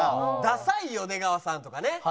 ダサいよ出川さんとかね。